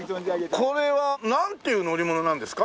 これはなんていう乗り物なんですか？